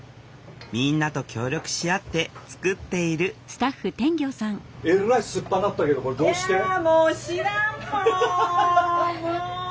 みんなと協力し合って作っているにぎやか。